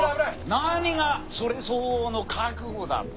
何が「それ相応の覚悟」だって。